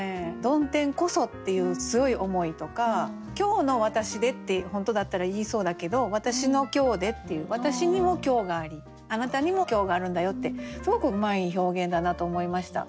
「曇天こそ」っていう強い思いとか「今日の私で」って本当だったら言いそうだけど「私の今日で」っていう私にも今日がありあなたにも今日があるんだよってすごくうまい表現だなと思いました。